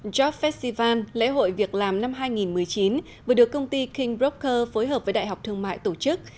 job festival lễ hội việc làm năm hai nghìn một mươi chín vừa được công ty king broger phối hợp với đại học thương mại tổ chức